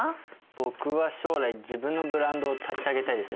僕は将来自分のブランドを立ち上げたいですね。